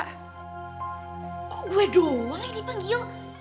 kok gue doang yang dipanggil